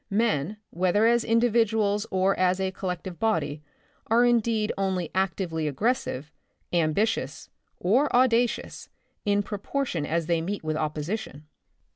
Men, whether as individuals or as a collective body, are indeed only actively aggres sive, ambitious or audacious in proportion as they meet with opposition.